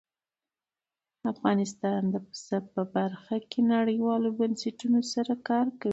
افغانستان د پسه په برخه کې نړیوالو بنسټونو سره کار کوي.